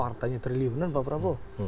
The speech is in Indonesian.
artanya triliunan pak prabowo